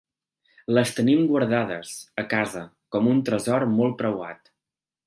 Les tenim guardades, a casa, com un tresor molt preuat.